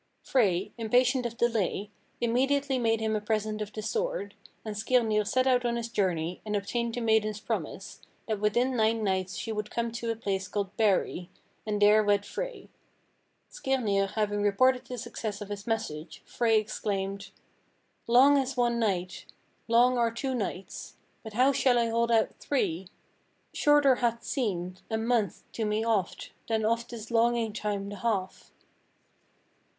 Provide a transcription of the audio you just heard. Frey, impatient of delay, immediately made him a present of the sword, and Skirnir set out on his journey and obtained the maiden's promise, that within nine nights she would come to a place called Barey, and there wed Frey. Skirnir having reported the success of his message, Frey exclaimed, "'Long is one night, Long are two nights, But how shall I hold out three? Shorter hath seemed A month to me oft Than of this longing time the half.'